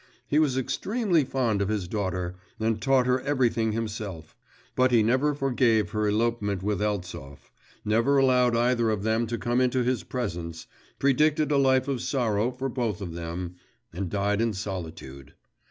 He was extremely fond of his daughter, and taught her everything himself: but he never forgave her elopement with Eltsov, never allowed either of them to come into his presence, predicted a life of sorrow for both of them, and died in solitude.